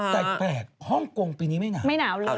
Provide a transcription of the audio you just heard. แต่แฮกท์ห้องโกงปีนี้ไม่หนาว